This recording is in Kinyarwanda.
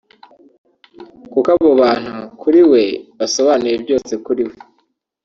kuko abo bantu kuri we basobanuye byose kuri we